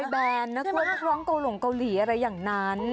ร้อยแบรนด์นะครับร้องโกหลงเกาหลีอะไรอย่างนั้น